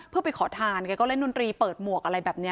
เพื่อไปขอทานแกก็เล่นดนตรีเปิดหมวกอะไรแบบนี้